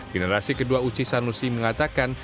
generasi kedua uci sanusi mengatakan